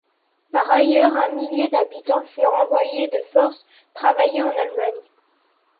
Par ailleurs, un millier d'habitants furent envoyés de force travailler en Allemagne.